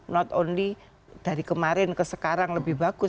not only dari kemarin ke sekarang lebih bagus